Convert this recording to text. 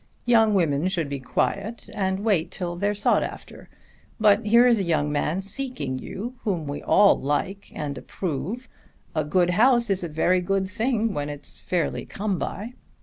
Young women should be quiet and wait till they're sought after. But here is a young man seeking you whom we all like and approve. A good house is a very good thing when it's fairly come by."